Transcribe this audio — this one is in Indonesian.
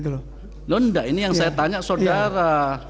loh enggak ini yang saya tanya saudara